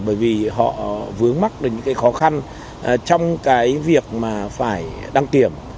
bởi vì họ vướng mắt đến những khó khăn trong việc phải đăng kiểm